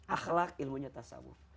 akhlaq ilmunya tasawuf